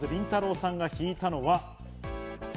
さんが引いたのは。